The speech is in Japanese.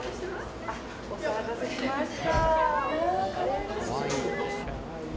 お騒がせしました。